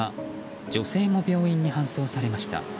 女性も病院に搬送されました。